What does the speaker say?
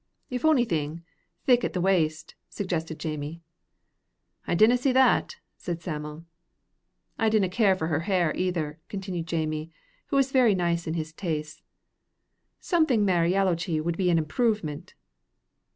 "If onything, thick in the waist," suggested Jamie. "I dinna see that," said Sam'l. "I d'na care for her hair either," continued Jamie, who was very nice in his tastes; "something mair yallowchy wid be an improvement."